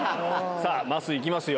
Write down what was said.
さあ、まっすーいきますよ。